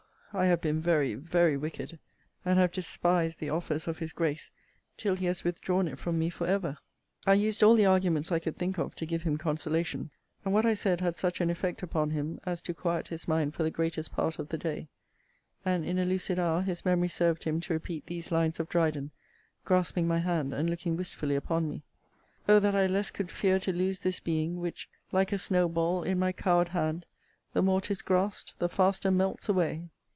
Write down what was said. I have been very, very wicked; and have despised the offers of his grace, till he has withdrawn it from me for ever. I used all the arguments I could think of to give him consolation: and what I said had such an effect upon him, as to quiet his mind for the greatest part of the day; and in a lucid hour his memory served him to repeat these lines of Dryden, grasping my hand, and looking wistfully upon me: O that I less could fear to lose this being, Which, like a snow ball, in my coward hand, The more 'tis grasped, the faster melts away!